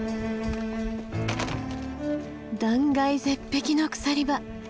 断崖絶壁の鎖場。